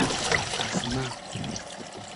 از مۂ